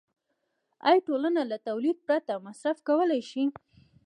آیا ټولنه له تولید پرته مصرف کولی شي